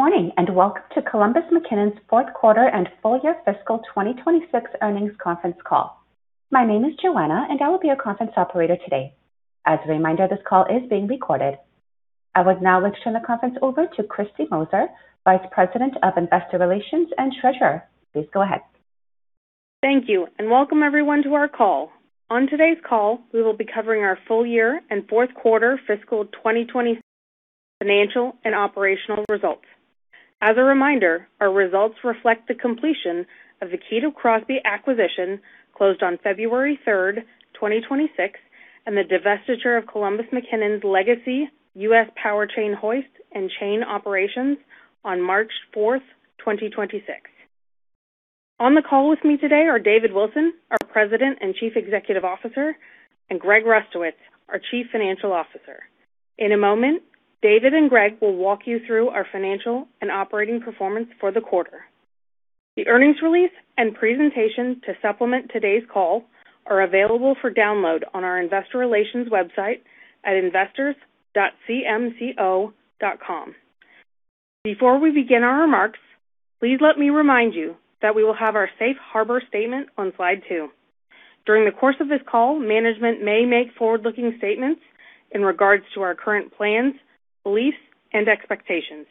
Good morning, and welcome to Columbus McKinnon's Fourth Quarter and Full Year Fiscal 2026 Earnings Conference Call. My name is Joanna, and I will be your conference operator today. As a reminder, this call is being recorded. I would now like to turn the conference over to Kristy Moser, vice president of investor relations and treasurer. Please go ahead. Thank you. Welcome everyone to our call. On today's call, we will be covering our full year and fourth quarter fiscal 2026 financial and operational results. As a reminder, our results reflect the completion of the Kito Crosby acquisition closed on February 3rd, 2026, and the divestiture of Columbus McKinnon's legacy U.S. power chain hoist and chain operations on March 4th, 2026. On the call with me today are David Wilson, our President and Chief Executive Officer, and Greg Rustowicz, our Chief Financial Officer. In a moment, David and Greg will walk you through our financial and operating performance for the quarter. The earnings release and presentation to supplement today's call are available for download on our investor relations website at investors.cmco.com. Before we begin our remarks, please let me remind you that we will have our safe harbor statement on slide two. During the course of this call, management may make forward-looking statements in regards to our current plans, beliefs, and expectations.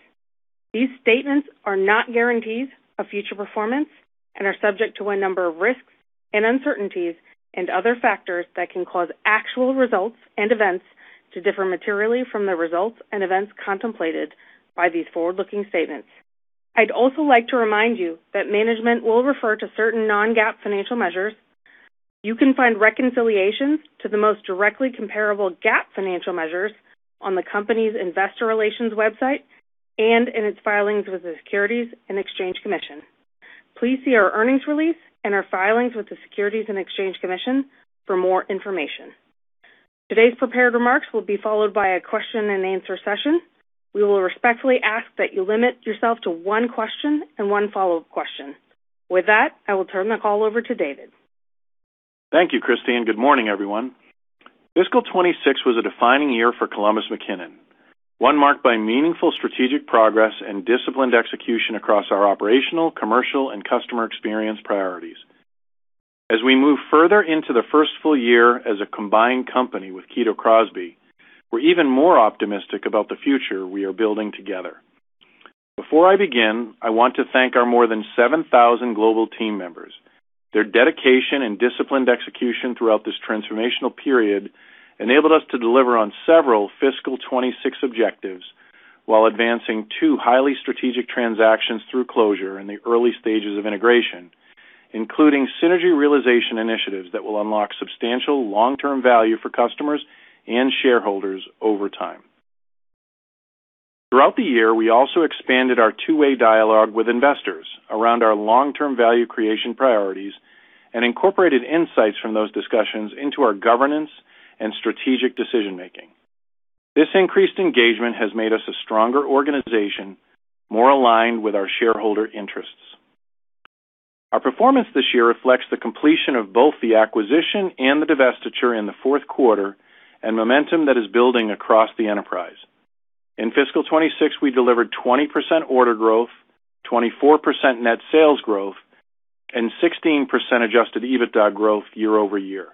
These statements are not guarantees of future performance and are subject to a number of risks and uncertainties and other factors that can cause actual results and events to differ materially from the results and events contemplated by these forward-looking statements. I'd also like to remind you that management will refer to certain non-GAAP financial measures. You can find reconciliations to the most directly comparable GAAP financial measures on the company's investor relations website and in its filings with the Securities and Exchange Commission. Please see our earnings release and our filings with the Securities and Exchange Commission for more information. Today's prepared remarks will be followed by a question and answer session. We will respectfully ask that you limit yourself to one question and one follow-up question. With that, I will turn the call over to David. Thank you, Kristy. Good morning, everyone. Fiscal 2026 was a defining year for Columbus McKinnon, one marked by meaningful strategic progress and disciplined execution across our operational, commercial, and customer experience priorities. As we move further into the first full year as a combined company with Kito Crosby, we're even more optimistic about the future we are building together. Before I begin, I want to thank our more than 7,000 global team members. Their dedication and disciplined execution throughout this transformational period enabled us to deliver on several fiscal 2026 objectives while advancing two highly strategic transactions through closure in the early stages of integration, including synergy realization initiatives that will unlock substantial long-term value for customers and shareholders over time. Throughout the year, we also expanded our two-way dialogue with investors around our long-term value creation priorities and incorporated insights from those discussions into our governance and strategic decision-making. This increased engagement has made us a stronger organization, more aligned with our shareholder interests. Our performance this year reflects the completion of both the acquisition and the divestiture in the fourth quarter and momentum that is building across the enterprise. In fiscal 2026, we delivered 20% order growth, 24% net sales growth, and 16% adjusted EBITDA growth year-over-year,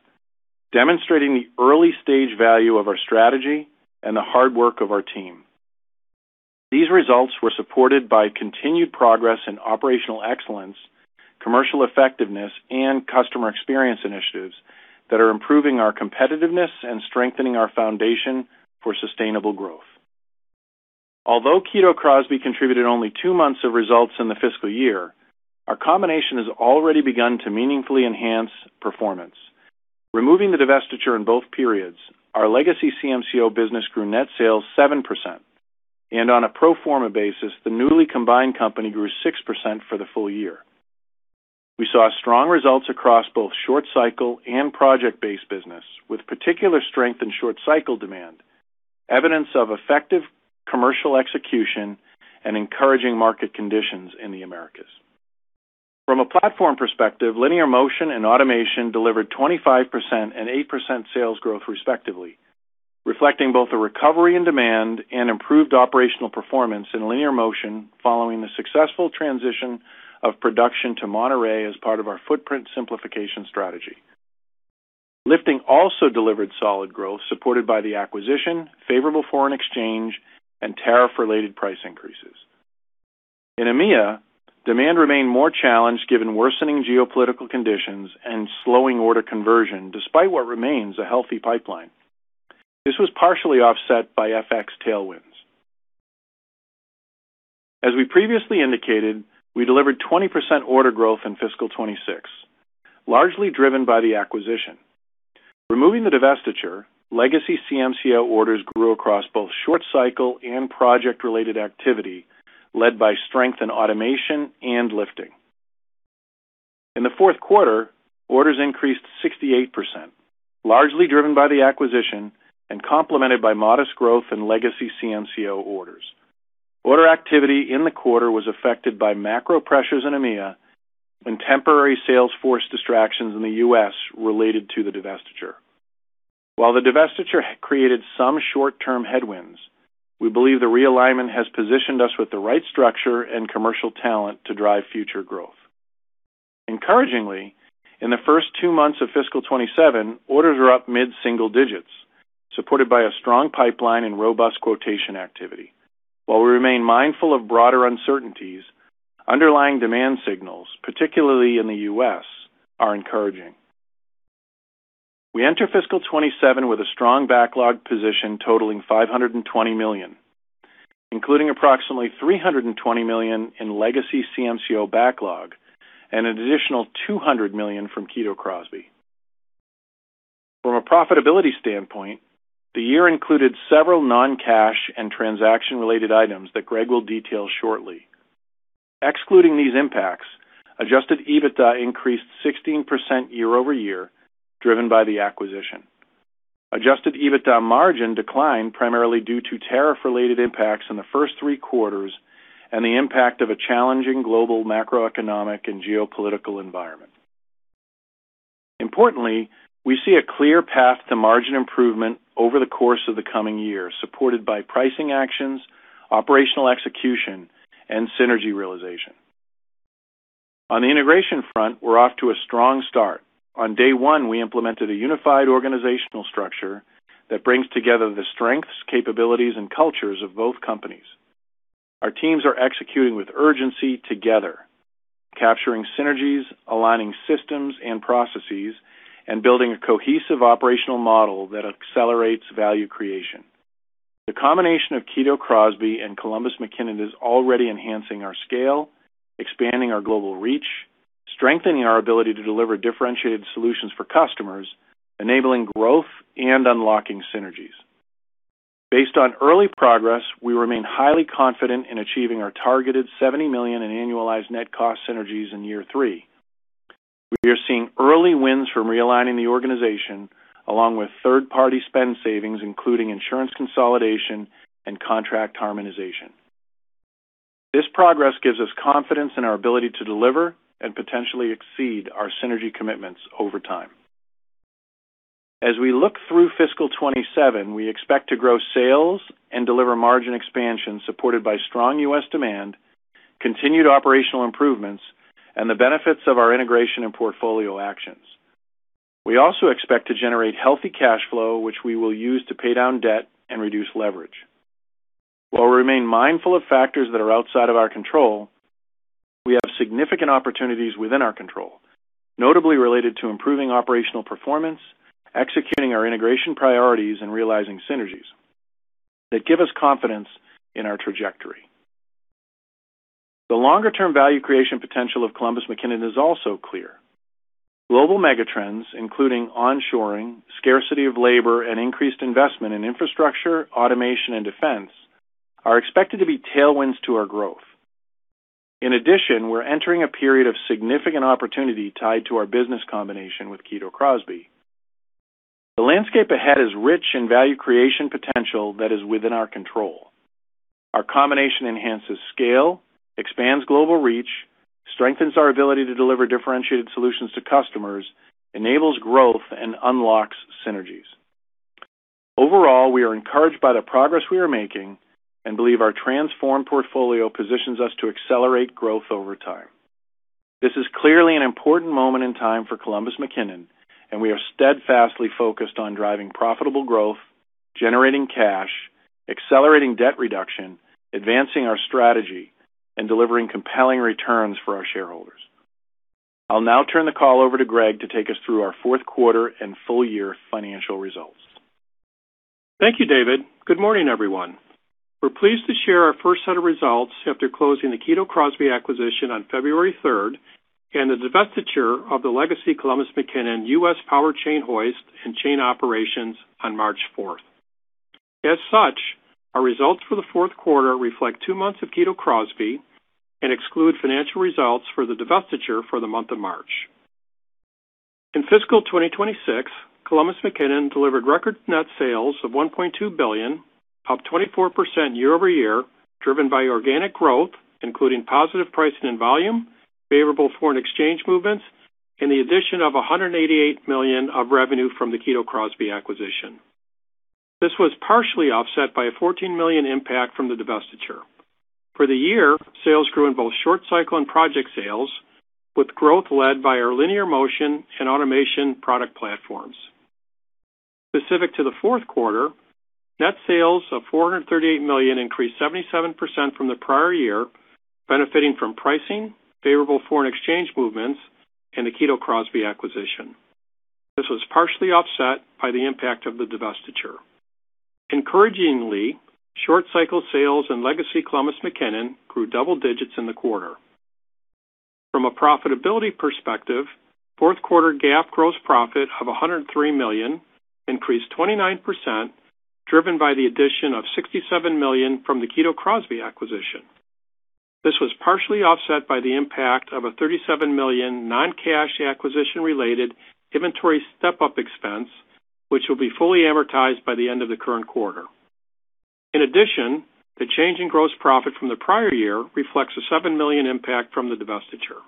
demonstrating the early-stage value of our strategy and the hard work of our team. These results were supported by continued progress in operational excellence, commercial effectiveness, and customer experience initiatives that are improving our competitiveness and strengthening our foundation for sustainable growth. Although Kito Crosby contributed only two months of results in the fiscal year, our combination has already begun to meaningfully enhance performance. Removing the divestiture in both periods, our legacy CMCO business grew net sales 7%, and on a pro forma basis, the newly combined company grew 6% for the full year. We saw strong results across both short cycle and project-based business, with particular strength in short cycle demand, evidence of effective commercial execution and encouraging market conditions in the Americas. From a platform perspective, linear motion and automation delivered 25% and 8% sales growth respectively, reflecting both a recovery in demand and improved operational performance in linear motion following the successful transition of production to Monterrey as part of our footprint simplification strategy. Lifting also delivered solid growth supported by the acquisition, favorable foreign exchange, and tariff-related price increases. In EMEA, demand remained more challenged given worsening geopolitical conditions and slowing order conversion, despite what remains a healthy pipeline. As we previously indicated, we delivered 20% order growth in fiscal 2026, largely driven by the acquisition. Removing the divestiture, legacy CMCO orders grew across both short cycle and project-related activity led by strength in automation and lifting. In the fourth quarter, orders increased 68%, largely driven by the acquisition and complemented by modest growth in legacy CMCO orders. Order activity in the quarter was affected by macro pressures in EMEA and temporary sales force distractions in the U.S. related to the divestiture. While the divestiture created some short-term headwinds, we believe the realignment has positioned us with the right structure and commercial talent to drive future growth. Encouragingly, in the first two months of fiscal 2027, orders are up mid-single digits, supported by a strong pipeline and robust quotation activity. While we remain mindful of broader uncertainties, underlying demand signals, particularly in the U.S., are encouraging. We enter fiscal 2027 with a strong backlog position totaling $520 million, including approximately $320 million in legacy CMCO backlog and an additional $200 million from Kito Crosby. From a profitability standpoint, the year included several non-cash and transaction-related items that Greg will detail shortly. Excluding these impacts, Adjusted EBITDA increased 16% year-over-year, driven by the acquisition. Adjusted EBITDA margin declined primarily due to tariff-related impacts in the first three quarters and the impact of a challenging global macroeconomic and geopolitical environment. Importantly, we see a clear path to margin improvement over the course of the coming year, supported by pricing actions, operational execution, and synergy realization. On the integration front, we're off to a strong start. On day one, we implemented a unified organizational structure that brings together the strengths, capabilities, and cultures of both companies. Our teams are executing with urgency together, capturing synergies, aligning systems and processes, and building a cohesive operational model that accelerates value creation. The combination of Kito Crosby and Columbus McKinnon is already enhancing our scale, expanding our global reach, strengthening our ability to deliver differentiated solutions for customers, enabling growth and unlocking synergies. Based on early progress, we remain highly confident in achieving our targeted $70 million in annualized net cost synergies in year three. We are seeing early wins from realigning the organization, along with third-party spend savings, including insurance consolidation and contract harmonization. This progress gives us confidence in our ability to deliver and potentially exceed our synergy commitments over time. As we look through fiscal 2027, we expect to grow sales and deliver margin expansion supported by strong U.S. demand, continued operational improvements, and the benefits of our integration and portfolio actions. We also expect to generate healthy cash flow, which we will use to pay down debt and reduce leverage. While we remain mindful of factors that are outside of our control, we have significant opportunities within our control, notably related to improving operational performance, executing our integration priorities, and realizing synergies that give us confidence in our trajectory. The longer-term value creation potential of Columbus McKinnon is also clear. Global megatrends, including onshoring, scarcity of labor, and increased investment in infrastructure, automation, and defense, are expected to be tailwinds to our growth. In addition, we're entering a period of significant opportunity tied to our business combination with Kito Crosby. The landscape ahead is rich in value creation potential that is within our control. Our combination enhances scale, expands global reach, strengthens our ability to deliver differentiated solutions to customers, enables growth, and unlocks synergies. Overall, we are encouraged by the progress we are making and believe our transformed portfolio positions us to accelerate growth over time. This is clearly an important moment in time for Columbus McKinnon. We are steadfastly focused on driving profitable growth, generating cash, accelerating debt reduction, advancing our strategy, and delivering compelling returns for our shareholders. I'll now turn the call over to Greg to take us through our fourth quarter and full year financial results. Thank you, David. Good morning, everyone. We're pleased to share our first set of results after closing the Kito Crosby acquisition on February 3 and the divestiture of the legacy Columbus McKinnon U.S. power chain hoist and chain operations on March 4. As such, our results for the fourth quarter reflect two months of Kito Crosby and exclude financial results for the divestiture for the month of March. In fiscal 2026, Columbus McKinnon delivered record net sales of $1.2 billion, up 24% year-over-year, driven by organic growth, including positive pricing and volume, favorable foreign exchange movements, and the addition of $188 million of revenue from the Kito Crosby acquisition. This was partially offset by a $14 million impact from the divestiture. For the year, sales grew in both short cycle and project sales, with growth led by our linear motion and automation product platforms. Specific to the fourth quarter, net sales of $438 million increased 77% from the prior year, benefiting from pricing, favorable foreign exchange movements, and the Kito Crosby acquisition. This was partially offset by the impact of the divestiture. Encouragingly, short cycle sales in legacy Columbus McKinnon grew double digits in the quarter. From a profitability perspective, fourth quarter GAAP gross profit of $103 million increased 29%, driven by the addition of $67 million from the Kito Crosby acquisition. This was partially offset by the impact of a $37 million non-cash acquisition related inventory step-up expense, which will be fully amortized by the end of the current quarter. In addition, the change in gross profit from the prior year reflects a $7 million impact from the divestiture.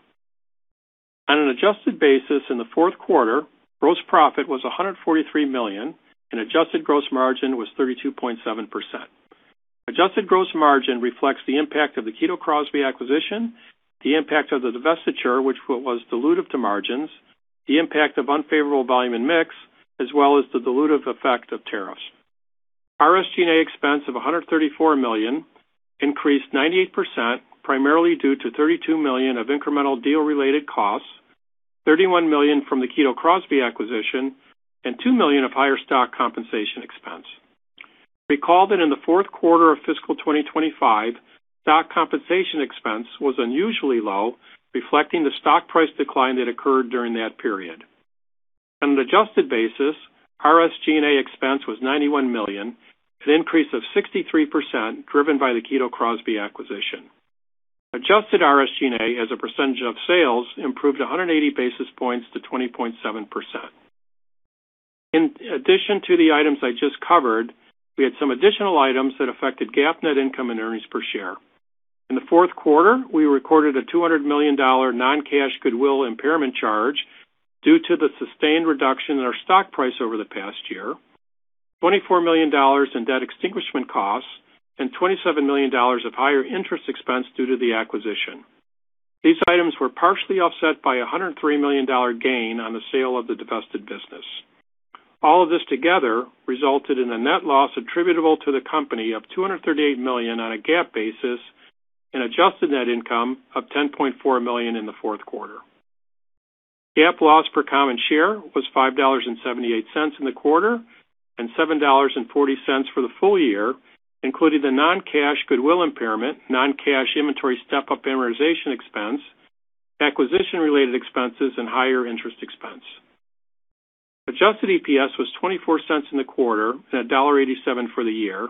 On an adjusted basis in the fourth quarter, gross profit was $143 million, and adjusted gross margin was 32.7%. Adjusted gross margin reflects the impact of the Kito Crosby acquisition, the impact of the divestiture, which was dilutive to margins, the impact of unfavorable volume and mix, as well as the dilutive effect of tariffs. SG&A expense of $134 million increased 98%, primarily due to $32 million of incremental deal-related costs, $31 million from the Kito Crosby acquisition, and $2 million of higher stock compensation expense. Recall that in the fourth quarter of fiscal 2025, stock compensation expense was unusually low, reflecting the stock price decline that occurred during that period. On an adjusted basis, SG&A expense was $91 million, an increase of 63%, driven by the Kito Crosby acquisition. Adjusted SG&A as a percentage of sales improved 180 basis points to 20.7%. In addition to the items I just covered, we had some additional items that affected GAAP net income and earnings per share. In the fourth quarter, we recorded a $200 million non-cash goodwill impairment charge due to the sustained reduction in our stock price over the past year, $24 million in debt extinguishment costs, and $27 million of higher interest expense due to the acquisition. These items were partially offset by $103 million gain on the sale of the divested business. All of this together resulted in a net loss attributable to the company of $238 million on a GAAP basis and adjusted net income of $10.4 million in the fourth quarter. GAAP loss per common share was $5.78 in the quarter and $7.40 for the full year, including the non-cash goodwill impairment, non-cash inventory step-up amortization expense, acquisition-related expenses, and higher interest expense. Adjusted EPS was $0.24 in the quarter and $1.87 for the year,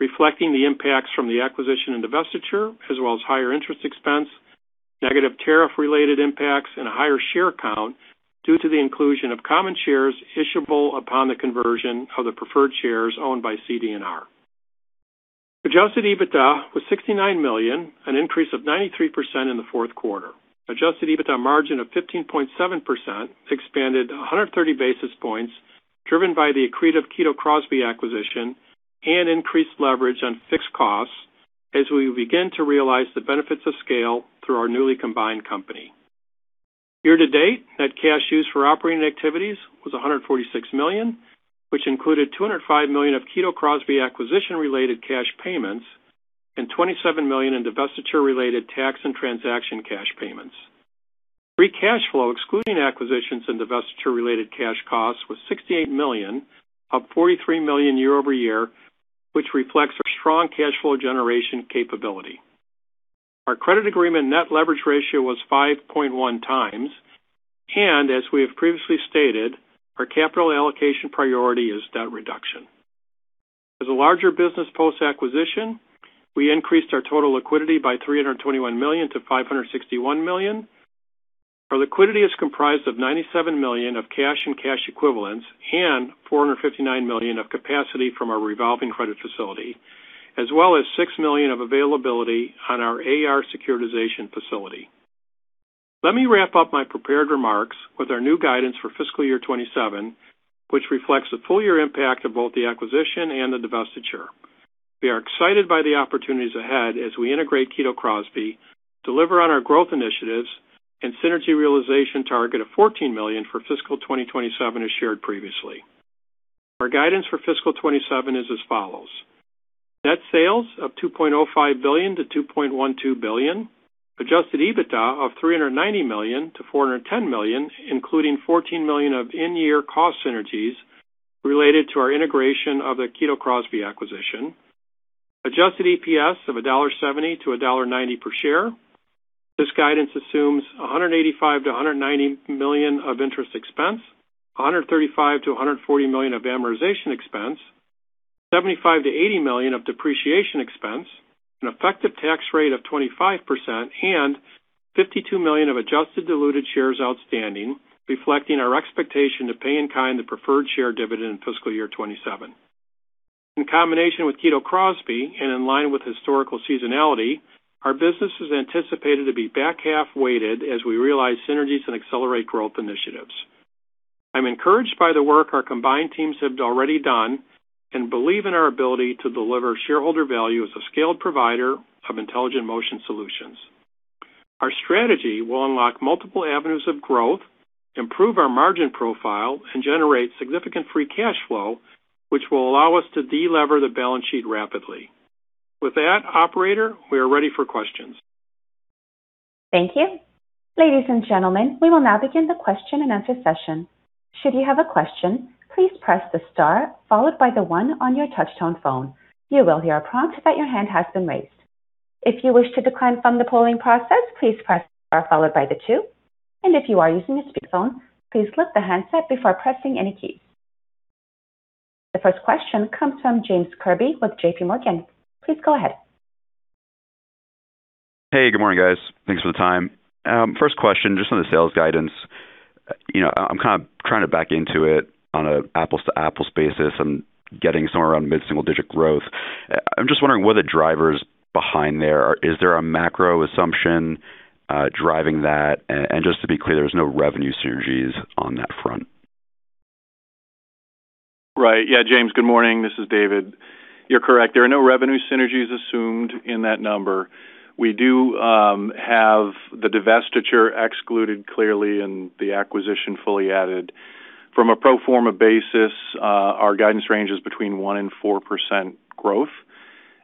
reflecting the impacts from the acquisition and divestiture, as well as higher interest expense, negative tariff-related impacts, and a higher share count due to the inclusion of common shares issuable upon the conversion of the preferred shares owned by CD&R. Adjusted EBITDA was $69 million, an increase of 93% in the fourth quarter. Adjusted EBITDA margin of 15.7% expanded 130 basis points driven by the accretive Kito Crosby acquisition and increased leverage on fixed costs as we begin to realize the benefits of scale through our newly combined company. Year to date, net cash used for operating activities was $146 million, which included $205 million of Kito Crosby acquisition-related cash payments and $27 million in divestiture-related tax and transaction cash payments. Free cash flow, excluding acquisitions and divestiture-related cash costs, was $68 million, up $43 million year-over-year, which reflects our strong cash flow generation capability. Our credit agreement net leverage ratio was 5.1x. As we have previously stated, our capital allocation priority is debt reduction. As a larger business post-acquisition, we increased our total liquidity by $321 million to $561 million. Our liquidity is comprised of $97 million of cash and cash equivalents and $459 million of capacity from our revolving credit facility, as well as $6 million of availability on our AR securitization facility. Let me wrap up my prepared remarks with our new guidance for fiscal year 2027, which reflects the full year impact of both the acquisition and the divestiture. We are excited by the opportunities ahead as we integrate Kito Crosby, deliver on our growth initiatives, and synergy realization target of $14 million for fiscal 2027 as shared previously. Our guidance for fiscal 2027 is as follows. Net sales of $2.05 billion to $2.12 billion. Adjusted EBITDA of $390 million to $410 million, including $14 million of in-year cost synergies related to our integration of the Kito Crosby acquisition. Adjusted EPS of $1.70 to $1.90 per share. This guidance assumes $185 million-$190 million of interest expense, $135 million-$140 million of amortization expense, $75 million-$80 million of depreciation expense, an effective tax rate of 25%, and 52 million of adjusted diluted shares outstanding, reflecting our expectation to pay in kind the preferred share dividend in fiscal year 2027. In combination with Kito Crosby and in line with historical seasonality, our business is anticipated to be back half weighted as we realize synergies and accelerate growth initiatives. I'm encouraged by the work our combined teams have already done and believe in our ability to deliver shareholder value as a scaled provider of intelligent motion solutions. Our strategy will unlock multiple avenues of growth, improve our margin profile, and generate significant free cash flow, which will allow us to de-lever the balance sheet rapidly. With that, operator, we are ready for questions. Thank you. Ladies and gentlemen, we will now begin the question and answer session. Should you have a question, please press the star followed by the one on your touch-tone phone. You will hear a prompt that your hand has been raised. If you wish to decline from the polling process, please press star followed by the two, and if you are using a speakerphone, please lift the handset before pressing any keys. The first question comes from James Kirby with JPMorgan. Please go ahead. Hey, good morning, guys. Thanks for the time. First question, just on the sales guidance. I'm kind of trying to back into it on an apples-to-apples basis and getting somewhere around mid-single digit growth. I'm just wondering what the drivers behind there are. Is there a macro assumption driving that? Just to be clear, there's no revenue synergies on that front. Right. Yeah, James, good morning. This is David. You're correct. There are no revenue synergies assumed in that number. We do have the divestiture excluded clearly and the acquisition fully added. From a pro forma basis, our guidance range is between 1% and 4% growth,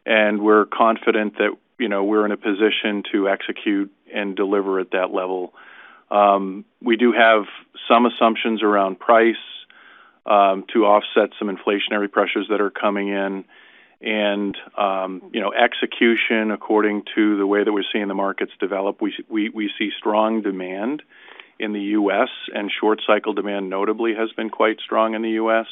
and we're confident that we're in a position to execute and deliver at that level. We do have some assumptions around price to offset some inflationary pressures that are coming in, and execution according to the way that we're seeing the markets develop. We see strong demand in the U.S., and short cycle demand notably has been quite strong in the U.S.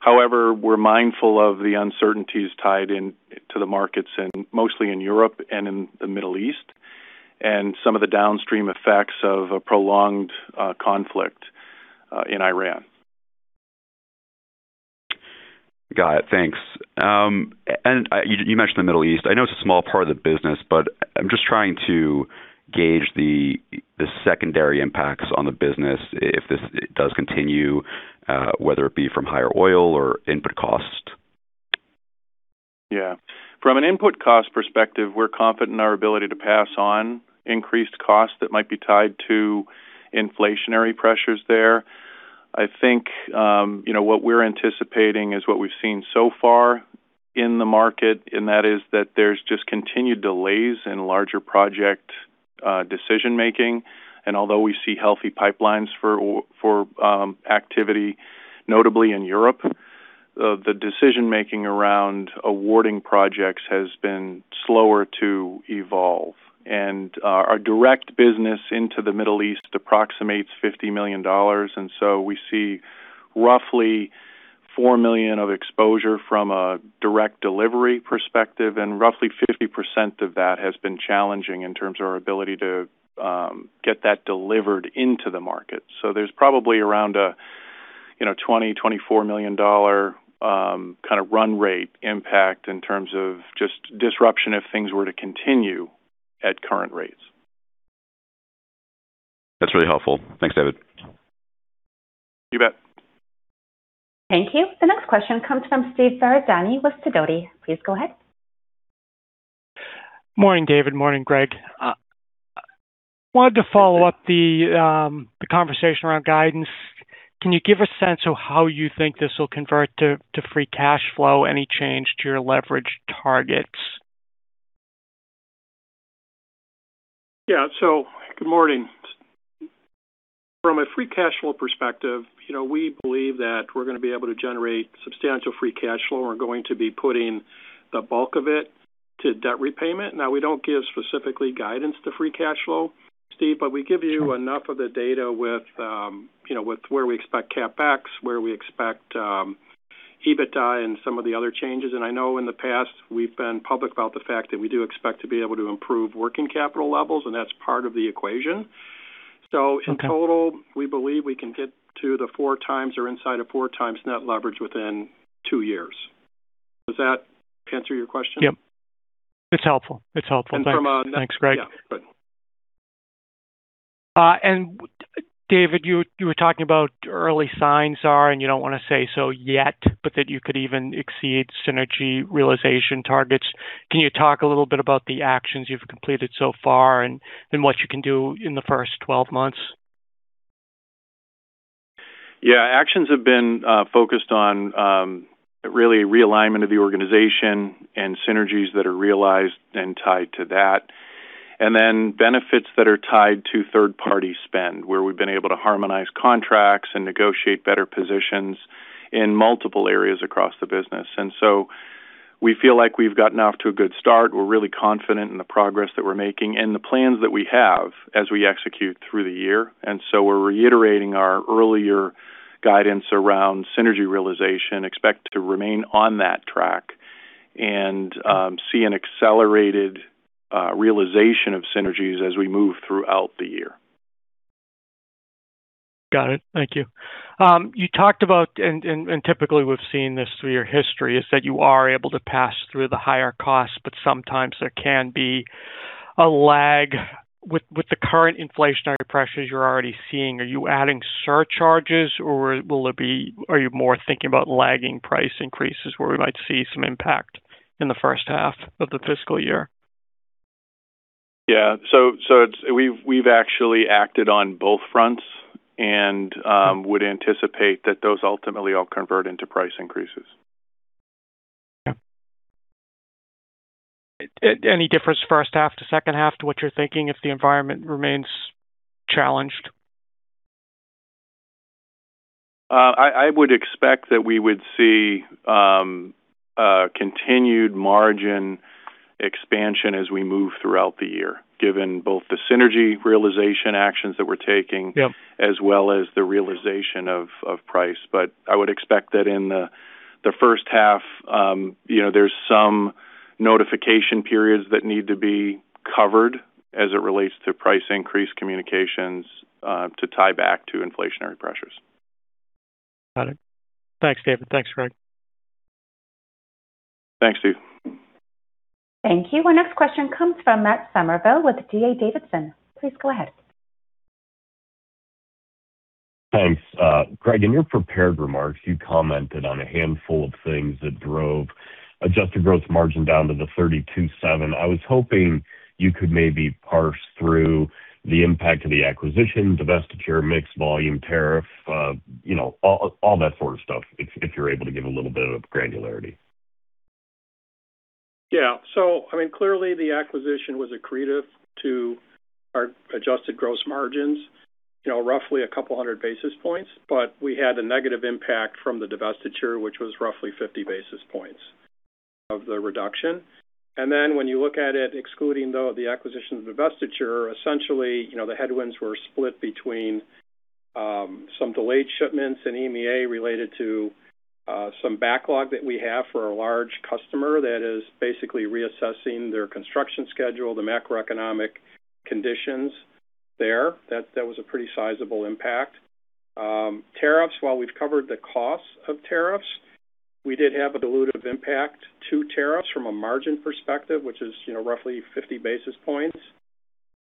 However, we're mindful of the uncertainties tied into the markets, and mostly in Europe and in the Middle East, and some of the downstream effects of a prolonged conflict in Iran. Got it. Thanks. You mentioned the Middle East. I know it's a small part of the business, but I'm just trying to gauge the secondary impacts on the business if this does continue, whether it be from higher oil or input costs. From an input cost perspective, we're confident in our ability to pass on increased costs that might be tied to inflationary pressures there. I think what we're anticipating is what we've seen so far in the market, and that is that there's just continued delays in larger project decision-making. Although we see healthy pipelines for activity, notably in Europe, the decision-making around awarding projects has been slower to evolve. Our direct business into the Middle East approximates $50 million. We see roughly $4 million of exposure from a direct delivery perspective, and roughly 50% of that has been challenging in terms of our ability to get that delivered into the market. There's probably around a $20 million, $24 million kind of run rate impact in terms of just disruption if things were to continue at current rates. That's really helpful. Thanks, David. You bet. Thank you. The next question comes from Steve Ferazani with Sidoti. Please go ahead. Morning, David. Morning, Greg. Wanted to follow up the conversation around guidance. Can you give a sense of how you think this will convert to free cash flow? Any change to your leverage targets? Yeah. Good morning. From a free cash flow perspective, we believe that we're going to be able to generate substantial free cash flow, and we're going to be putting the bulk of it to debt repayment. We don't give specifically guidance to free cash flow, Steve, but we give you enough of the data with where we expect CapEx, where we expect EBITDA and some of the other changes. I know in the past we've been public about the fact that we do expect to be able to improve working capital levels, and that's part of the equation. Okay. In total, we believe we can get to the 4x or inside of 4x net leverage within two years. Does that answer your question? Yep. It's helpful. Thanks. Thanks, Greg. Yeah. David, you were talking about early signs are, and you don't want to say so yet, but that you could even exceed synergy realization targets. Can you talk a little bit about the actions you've completed so far and what you can do in the first 12 months? Actions have been focused on really realignment of the organization and synergies that are realized and tied to that. Benefits that are tied to third-party spend, where we've been able to harmonize contracts and negotiate better positions in multiple areas across the business. We feel like we've gotten off to a good start. We're really confident in the progress that we're making and the plans that we have as we execute through the year. We're reiterating our earlier guidance around synergy realization, expect to remain on that track, and see an accelerated realization of synergies as we move throughout the year. Got it. Thank you. You talked about, and typically we've seen this through your history, is that you are able to pass through the higher costs, but sometimes there can be a lag. With the current inflationary pressures you're already seeing, are you adding surcharges or are you more thinking about lagging price increases where we might see some impact in the first half of the fiscal year? Yeah. We've actually acted on both fronts and would anticipate that those ultimately all convert into price increases. Okay. Any difference first half to second half to what you're thinking if the environment remains challenged? I would expect that we would see a continued margin expansion as we move throughout the year, given both the synergy realization actions that we're taking as well as the realization of price. I would expect that in the first half, there's some notification periods that need to be covered as it relates to price increase communications to tie back to inflationary pressures. Got it. Thanks, David. Thanks, Greg. Thanks, Steve. Thank you. Our next question comes from Matt Summerville with D.A. Davidson. Please go ahead. Thanks. Greg, in your prepared remarks, you commented on a handful of things that drove adjusted gross margin down to the 32.7%. I was hoping you could maybe parse through the impact of the acquisition, divestiture, mix volume, tariff, all that sort of stuff, if you're able to give a little bit of granularity. Yeah. Clearly, the acquisition was accretive to our adjusted gross margins, roughly couple of basis points. We had a negative impact from the divestiture, which was roughly 50 basis points of the reduction. When you look at it, excluding the acquisition of divestiture, essentially, the headwinds were split between some delayed shipments in EMEA related to some backlog that we have for a large customer that is basically reassessing their construction schedule, the macroeconomic conditions there. That was a pretty sizable impact. Tariffs, while we've covered the cost of tariffs, we did have a dilutive impact to tariffs from a margin perspective, which is roughly 50 basis points.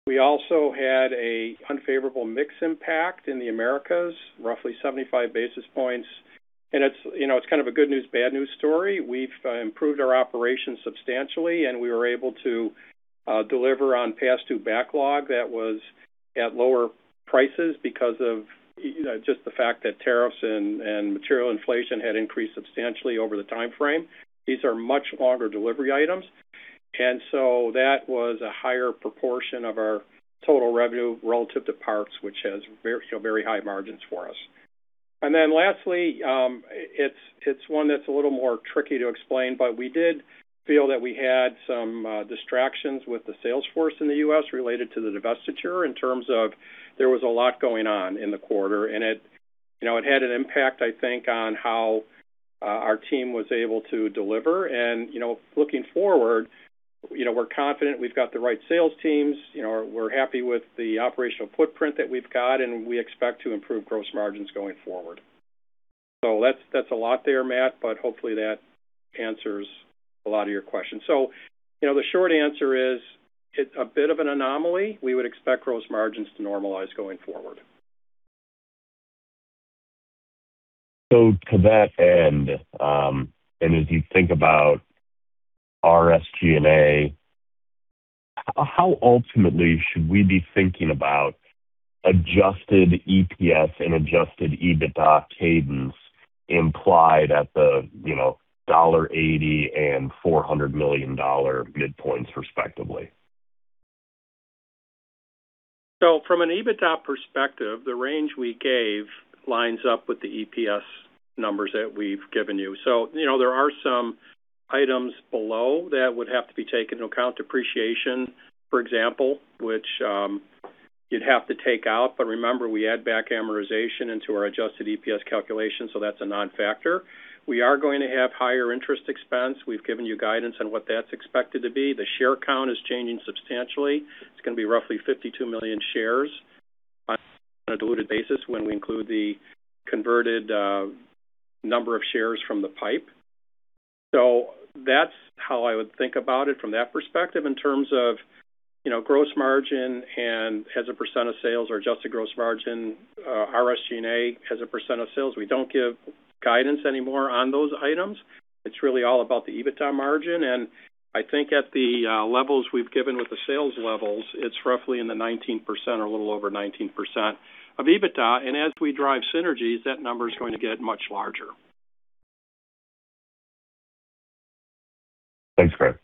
We also had an unfavorable mix impact in the Americas, roughly 75 basis points. It's kind of a good news, bad news story. We've improved our operations substantially, and we were able to deliver on past due backlog that was at lower prices because of just the fact that tariffs and material inflation had increased substantially over the time frame. These are much longer delivery items. That was a higher proportion of our total revenue relative to parts, which has very high margins for us. Lastly, it's one that's a little more tricky to explain, but we did feel that we had some distractions with the sales force in the U.S. related to the divestiture in terms of there was a lot going on in the quarter, and it had an impact, I think, on how our team was able to deliver. Looking forward, we're confident we've got the right sales teams, we're happy with the operational footprint that we've got, and we expect to improve gross margins going forward. That's a lot there, Matt, but hopefully that answers a lot of your questions. The short answer is it's a bit of an anomaly. We would expect gross margins to normalize going forward. To that end, as you think about SG&A, how ultimately should we be thinking about adjusted EPS and adjusted EBITDA cadence implied at the $1.80 and $400 million midpoints, respectively? From an EBITDA perspective, the range we gave lines up with the EPS numbers that we've given you. There are some items below that would have to be taken into account. Depreciation, for example, which you'd have to take out. Remember, we add back amortization into our adjusted EPS calculation, so that's a non-factor. We are going to have higher interest expense. We've given you guidance on what that's expected to be. The share count is changing substantially. It's going to be roughly 52 million shares on a diluted basis when we include the converted number of shares from the PIPE. That's how I would think about it from that perspective in terms of gross margin and as a percent of sales or adjusted gross margin, SG&A as percent of sales. We don't give guidance anymore on those items. It's really all about the EBITDA margin, and I think at the levels we've given with the sales levels, it's roughly in the 19% or a little over 19% of EBITDA. as we drive synergies, that number is going to get much larger. Thanks, Greg.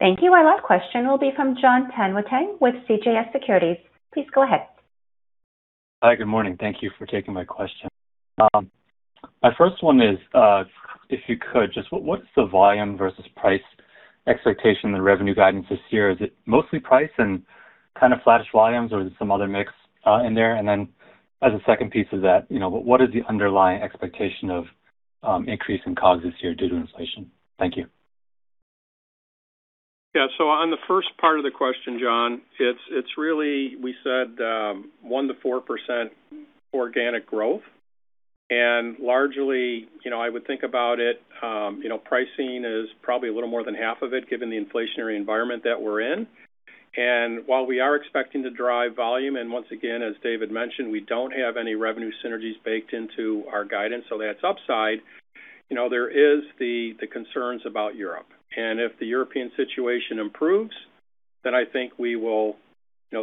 Thank you. Our last question will be from Jon Tanwanteng with CJS Securities. Please go ahead. Hi. Good morning. Thank you for taking my question. My first one is if you could, just what is the volume versus price expectation, the revenue guidance this year? Is it mostly price and kind of flattish volumes, or is it some other mix in there? As a second piece of that, what is the underlying expectation of increase in COGS this year due to inflation? Thank you. Yeah. On the first part of the question, Jon, it's really we said 1%-4% organic growth. Largely, I would think about it pricing is probably a little more than half of it, given the inflationary environment that we're in. While we are expecting to drive volume, and once again, as David mentioned, we don't have any revenue synergies baked into our guidance. That's upside. There is the concerns about Europe. If the European situation improves, then I think we will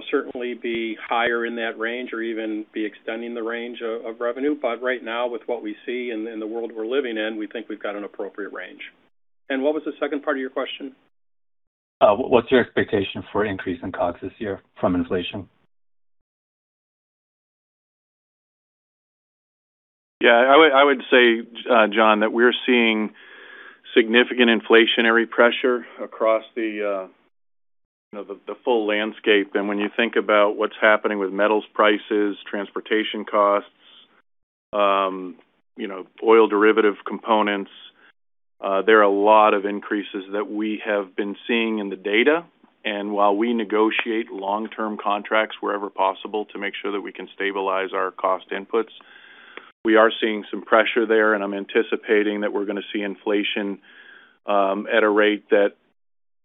certainly be higher in that range or even be extending the range of revenue. Right now, with what we see in the world we're living in, we think we've got an appropriate range. What was the second part of your question? What's your expectation for increase in COGS this year from inflation? Yeah. I would say, Jon, that we're seeing significant inflationary pressure across the full landscape. When you think about what's happening with metals prices, transportation costs, oil derivative components, there are a lot of increases that we have been seeing in the data. While we negotiate long-term contracts wherever possible to make sure that we can stabilize our cost inputs, we are seeing some pressure there, and I'm anticipating that we're going to see inflation at a rate that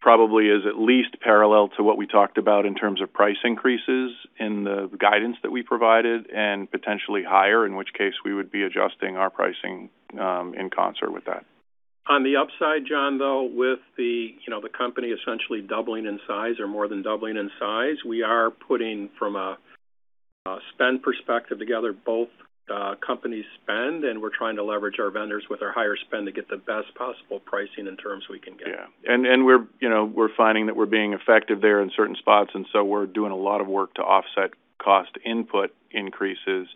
probably is at least parallel to what we talked about in terms of price increases in the guidance that we provided, and potentially higher, in which case we would be adjusting our pricing in concert with that. On the upside, Jon, though, with the company essentially doubling in size or more than doubling in size, we are putting from a spend perspective together both companies' spend, and we're trying to leverage our vendors with our higher spend to get the best possible pricing and terms we can get. Yeah. We're finding that we're being effective there in certain spots, and so we're doing a lot of work to offset cost input increases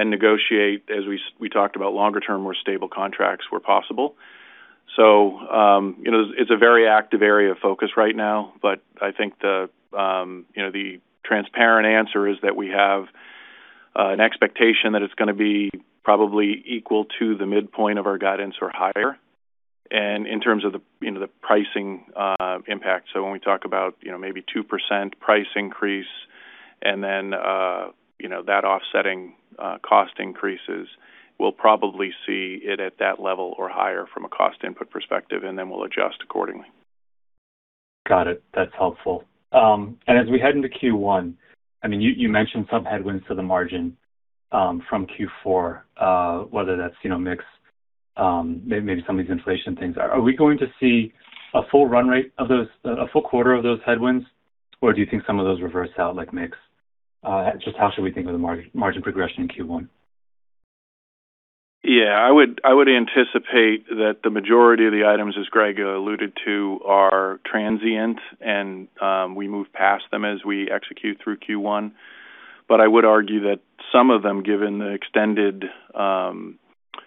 and negotiate, as we talked about, longer-term, more stable contracts where possible. It's a very active area of focus right now, but I think the transparent answer is that we have an expectation that it's going to be probably equal to the midpoint of our guidance or higher in terms of the pricing impact. When we talk about maybe 2% price increase and then that offsetting cost increases, we'll probably see it at that level or higher from a cost input perspective, and then we'll adjust accordingly. Got it. That's helpful. As we head into Q1, you mentioned some headwinds to the margin from Q4, whether that's mix, maybe some of these inflation things. Are we going to see a full quarter of those headwinds, or do you think some of those reverse out, like mix? Just how should we think of the margin progression in Q1? Yeah, I would anticipate that the majority of the items, as Greg alluded to, are transient and we move past them as we execute through Q1. I would argue that some of them, given the extended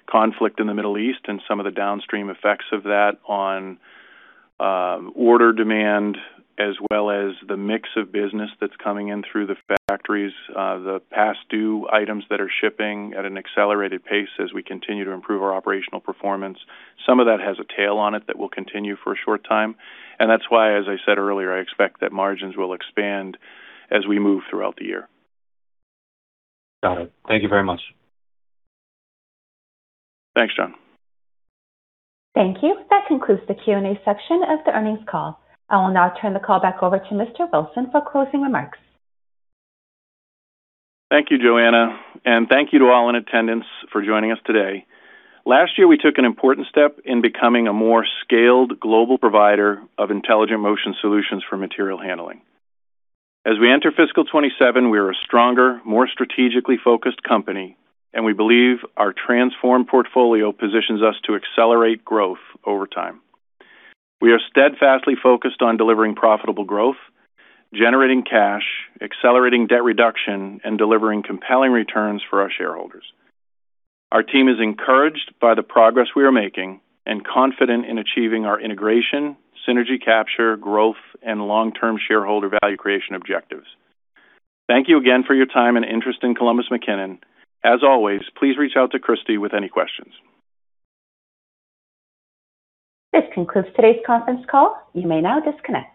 conflict in the Middle East and some of the downstream effects of that on order demand as well as the mix of business that's coming in through the factories, the past-due items that are shipping at an accelerated pace as we continue to improve our operational performance. Some of that has a tail on it that will continue for a short time. that's why, as I said earlier, I expect that margins will expand as we move throughout the year. Got it. Thank you very much. Thanks, Jon. Thank you. That concludes the Q&A section of the earnings call. I will now turn the call back over to Mr. Wilson for closing remarks. Thank you, Joanna, and thank you to all in attendance for joining us today. Last year, we took an important step in becoming a more scaled global provider of intelligent motion solutions for material handling. As we enter fiscal 2027, we are a stronger, more strategically focused company, and we believe our transformed portfolio positions us to accelerate growth over time. We are steadfastly focused on delivering profitable growth, generating cash, accelerating debt reduction, and delivering compelling returns for our shareholders. Our team is encouraged by the progress we are making and confident in achieving our integration, synergy capture, growth, and long-term shareholder value creation objectives. Thank you again for your time and interest in Columbus McKinnon. As always, please reach out to Kristy with any questions. This concludes today's conference call. You may now disconnect.